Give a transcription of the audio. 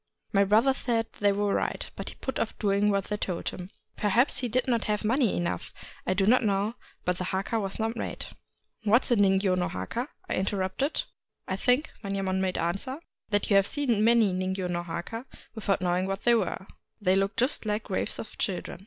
My brother said they were right ; but he put off doing what they told him. Perhaps he did not have money 126 NINGYO~NO HAKA enough, I do not know; but the haka was not made." ... "What is a iiingyo no Jiahaf^'' I inter rupted. " I think," Manyemon made answer, " that you have seen many ningyo no Jiaka without knowing what they were ;— they look just like graves of children.